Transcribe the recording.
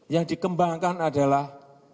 yang dikembangkan adalah